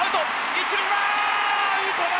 一塁はアウトだ！